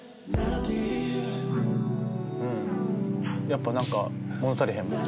うんやっぱ何か物足りへんもん。